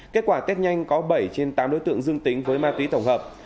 kết quả tết nhanh có bảy trên tám đối tượng dương tính với ma túy tổng hợp